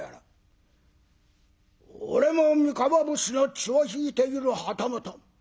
「俺も三河武士の血を引いている旗本。